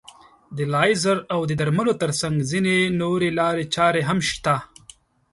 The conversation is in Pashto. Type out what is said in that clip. د لیزر او درملو تر څنګ ځينې نورې لارې چارې هم شته.